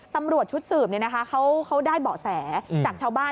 ตำรวจชุดสืบเนี่ยนะคะเขาได้เบาะแสจากชาวบ้าน